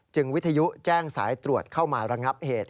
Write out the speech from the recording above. วิทยุแจ้งสายตรวจเข้ามาระงับเหตุ